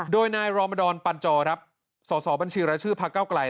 โดยนายรอมดอนปันจอรับส่อบัญชีรชื่อภาคเก้าไกล